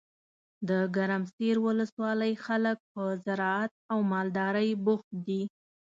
دګرمسیر ولسوالۍ خلګ په زراعت او مالدارۍ بوخت دي.